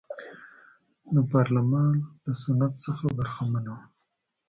د پارلمان له سنت څخه برخمنه وه.